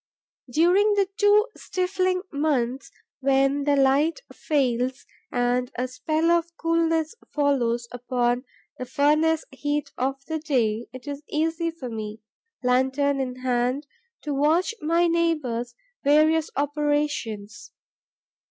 During the two stifling months, when the light fails and a spell of coolness follows upon the furnace heat of the day, it is easy for me, lantern in hand, to watch my neighbour's various operations.